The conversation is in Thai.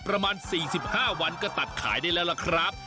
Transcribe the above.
ประมาณ๔๕วันก็ตัดขายได้แล้วล่ะครับ